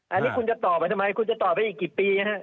อันนี้คุณจะต่อไปทำไมคุณจะต่อไปอีกกี่ปีนะครับ